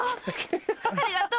ありがとう！